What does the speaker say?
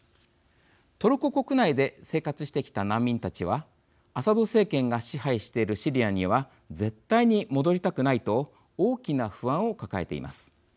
トルコ国内で生活してきた難民たちはアサド政権が支配しているシリアには絶対に戻りたくないと大きな不安を抱えています。